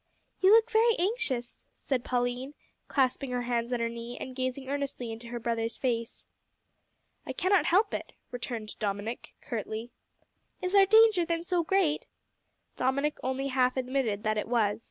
"You look very anxious," said Pauline, clasping her hands on her knee, and gazing earnestly in her brother's face. "I cannot help it," returned Dominick, curtly. "Is our danger then so great?" Dominick only half admitted that it was.